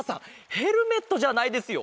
ヘルメットじゃないですよ。